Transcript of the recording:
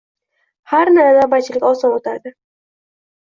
Harna, navbatchilik oson o`tadi